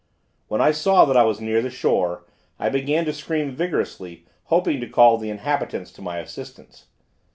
When I saw that I was near the shore, I began to scream vigorously, hoping to call the inhabitants to my assistance.